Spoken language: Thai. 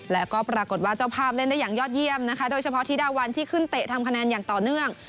แล้วก็ปรากฏว่าเจ้าภาพเล่นได้อย่างยอดเยี่ยมนะคะโดยเฉพาะธิดาวันที่ขึ้นเตะทำคะแนนอย่างต่อเนื่อง